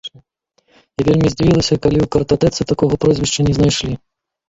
І вельмі здзівілася, калі ў картатэцы такога прозвішча не знайшлі.